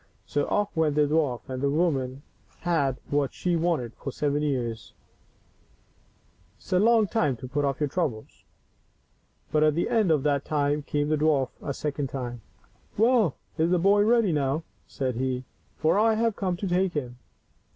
So off went the dwarf, and the woman had what she wanted, for seven years is a long time to put off our troubles. But at the end of that time up came the dwarf a second time. 3IO THE BEST THAT LIFE HAS TO GIVE. " Well, is the boy ready now ?*' said he, " for I have come to take him."